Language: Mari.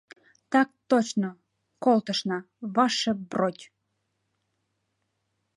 Так точно, колтышна, ваше бродь!